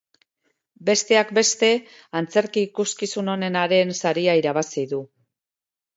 Besteak beste, antzerki ikuskizun onenaren saria irabazi du.